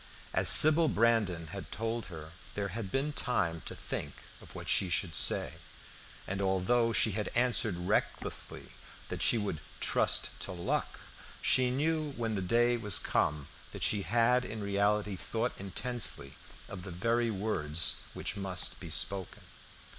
As Sybil Brandon had told her, there had been time to think of what she should say, and although she had answered recklessly that she would "trust to luck," she knew when the day was come that she had in reality thought intensely of the very words which must be spoken.